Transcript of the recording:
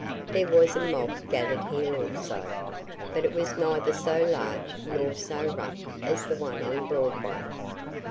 There was a mob gathered here also, but it was neither so large nor so rough as the one on Broadway.